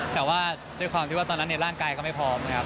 แต่ว่าด้วยความที่ว่าตอนนั้นในร่างกายก็ไม่พร้อมนะครับ